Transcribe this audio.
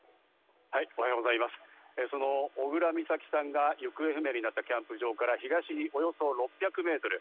その小倉美咲さんが行方不明になったキャンプ場から東におよそ６００メートル。